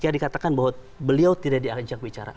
ketika dikatakan bahwa beliau tidak diajak bicara